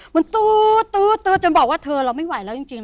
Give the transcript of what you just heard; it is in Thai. มันตื๊ดจนบอกว่าเธอเราไม่ไหวแล้วจริง